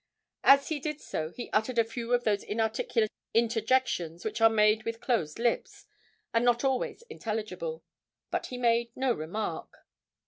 As he did so he uttered a few of those inarticulate interjections which are made with closed lips, and not always intelligible; but he made no remark.